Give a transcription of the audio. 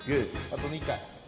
あと２かい。